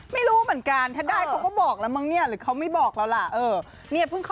ไม่รู้เหมือนกันถ้าได้เขาก็บอกแล้วมั้งเนี่ยหรือเขาไม่บอกแล้วล่ะ